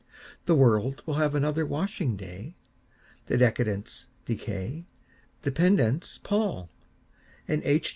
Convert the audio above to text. The world will have another washing day; The decadents decay; the pedants pall; And H.